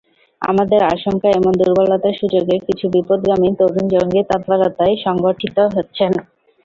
আমাদের আশঙ্কা, এমন দুর্বলতার সুযোগে কিছু বিপথগামী তরুণ জঙ্গি তৎপরতায় সংগঠিত হচ্ছেন।